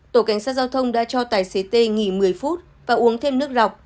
tổ cảnh sát giao thông đã cho tài xế t nghỉ một mươi phút và uống thêm nước rau